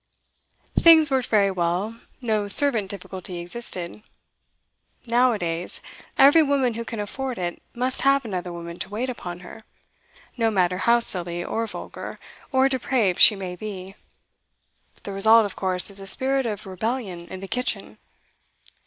Things worked very well; no servant difficulty existed. Now a days, every woman who can afford it must have another woman to wait upon her, no matter how silly, or vulgar, or depraved she may be; the result, of course, is a spirit of rebellion in the kitchen.